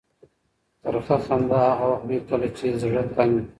ترخه خندا هغه وخت وي کله چې زړه تنګ وي.